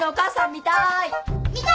見たーい！